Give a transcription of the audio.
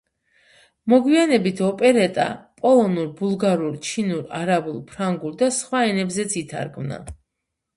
მოგვიანებით ოპერეტა პოლონურ, ბულგარულ, ჩინურ, არაბულ, ფრანგულ და სხვა ენებზეც ითარგმნა.